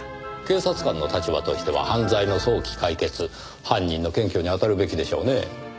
警察官の立場としては犯罪の早期解決犯人の検挙に当たるべきでしょうねぇ。